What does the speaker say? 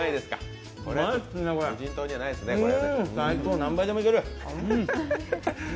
何杯でもいける。